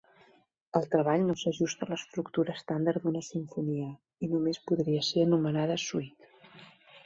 El treball no s'ajusta a l'estructura estàndard d'una simfonia, i només podria ser anomenada suite.